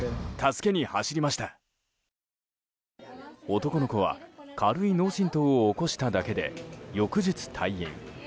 男の子は軽い脳しんとうを起こしただけで翌日退院。